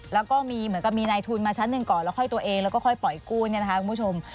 แล้วก็มีเหมือนกับมีนายทุนมาชั้นหนึ่งก่อนแล้วค่อยตัวเองแล้วก็ค่อยปล่อยกู้เนี่ยนะคะคุณผู้ชม